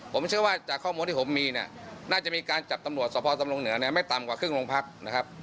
ผมเชื่อว่าจากข้อมูลที่ผมมีเนี่ยน่าจะมีการจับตำรวจสภสำรงเหนือเนี่ยไม่ต่ำกว่าครึ่งโรงพักนะครับ